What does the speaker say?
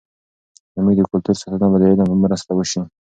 زموږ د کلتور ساتنه به د علم په مرسته وسي.